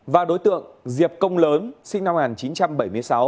và đối tượng diệp công lớn sinh năm một nghìn chín trăm bảy mươi sáu